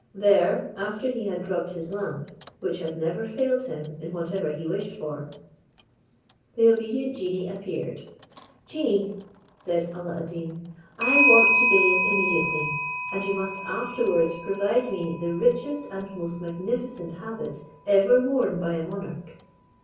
There, after he had rubbed his lamp, which had never failed him in whatever he wished for, the obedient genie appeared. "Genie," said Alla ad Deen, "I want to bathe immediately, and you must afterwards provide me the richest and most magnificent habit ever worn by a monarch."